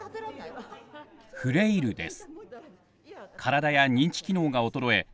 「フレイル」です。